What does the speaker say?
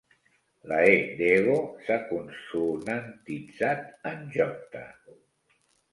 La 'e' de 'ego' s'ha consonantitzat en 'j'.